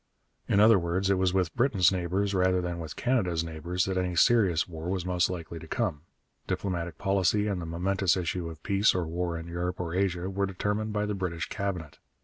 In other words, it was with Britain's neighbours, rather than with Canada's neighbours, that any serious war was most likely to come. Diplomatic policy and the momentous issue of peace or war in Europe or Asia were determined by the British Cabinet.